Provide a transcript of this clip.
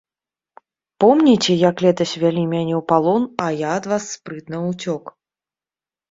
Помніце, як летась вялі мяне ў палон, а я ад вас спрытна ўцёк.